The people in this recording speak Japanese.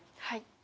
はい。